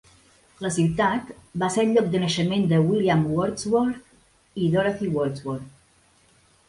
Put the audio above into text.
La ciutat va ser el lloc de naixement de William Wordsworth i Dorothy Wordsworth.